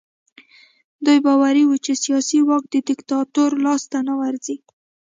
دوی باوري وو چې سیاسي واک د دیکتاتور لاس ته نه ورځي.